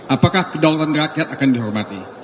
apakah kedaulatan rakyat akan dihormati